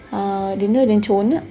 và đến nơi đến trốn